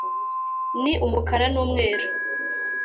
ni umukara n'umweru.